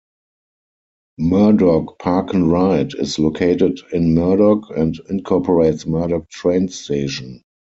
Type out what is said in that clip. Murdoch Park 'n' Ride is located in Murdoch, and incorporates Murdoch Train Station.